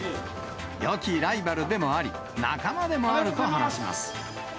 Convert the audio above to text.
よきライバルでもあり、仲間でもあると話します。